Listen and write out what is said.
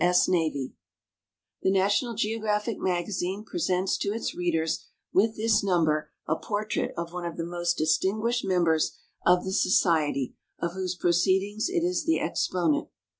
S. Navy Thk National Gkoouaphic Magazink presents to its readers wuth this number a portrait of one of the most distinguished meml)ers of the Societ\' of whose prticeedings it is the exponent.